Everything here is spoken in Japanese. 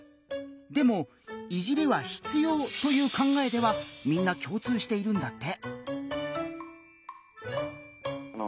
でも「いじり」は必要という考えではみんな共通しているんだって。